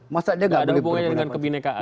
masa dia gak boleh berpunyai dengan kebhinekaan